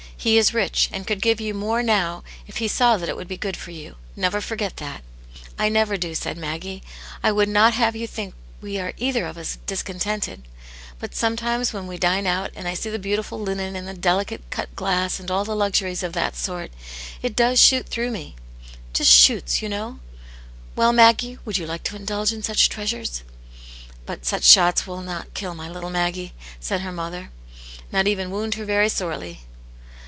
" He is rich, and could give you more now if He saw that it would be good for you. Never forget that." ' "Inever do;" said Maggie. "I would not have you think we are either of us discontented. "Bvi^L 144 Aunt Jane's Hero. sometimes when we dine out, and I see the beautiful table linen and the delicate cut glass and all ther luxuries of that sort, it does shoot through me, —; just shoots, you know, — 'Well, Maggie, wouldn't yon; like to indulge in such treasures ?'" But such shots will not kill my little Maggie/* said her mother, " nor even wound her very sorely."